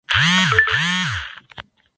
Dirigida por Donald Petrie.